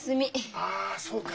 ああそうか。